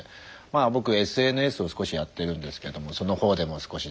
僕ＳＮＳを少しやってるんですけどもその方でも少し。